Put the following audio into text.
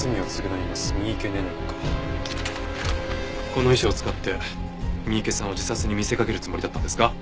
この遺書を使って三池さんを自殺に見せかけるつもりだったんですか？